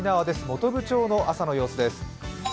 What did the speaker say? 本部町の朝の様子です。